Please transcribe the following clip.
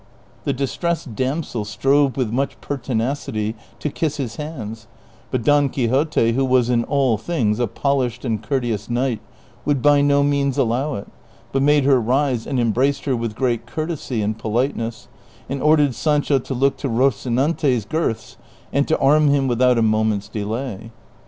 ^^ The distressed damsel strove with much pertinacity to kiss his hands ; but Don Quixote, who was in all things a polished and courteous knight, would by no means allow it, but made her rise and embraced her with great courtesy and politeness, and ordered Sancho to look to Eocinante's girths, and to arm him without a moment's delay.